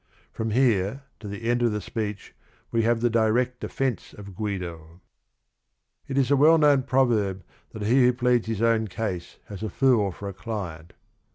'" From here to the end of the speech we have the direct defense of Guido. It is a well known proverb that he who pleads his own case has a fool for a client.